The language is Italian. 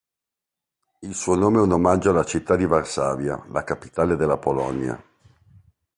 Il suo nome è un omaggio alla città di Varsavia, la capitale della Polonia.